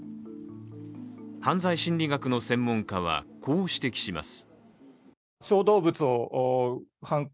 犯罪心理学の専門家は、こう指摘します。